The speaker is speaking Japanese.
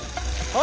あ！